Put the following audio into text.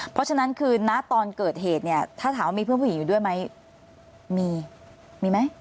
เพราะฉะนั้นคือณตอนเกิดเหตุเนี่ยถ้าถามว่ามีเพื่อนผู้หญิงอยู่ด้วยไหมมีมีไหม